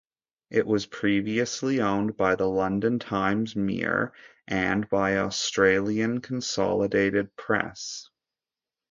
It was previously owned by the London Times Mirror, and by Australian Consolidated Press.